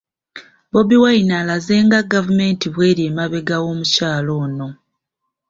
Bobi Wine alaze nga gavumenti bw'eri emabega w'omukyala ono